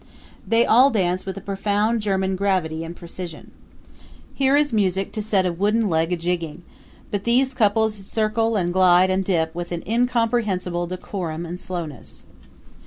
They all dance with a profound German gravity and precision. Here is music to set a wooden leg a jigging; but these couples circle and glide and dip with an incomprehensible decorum and slowness.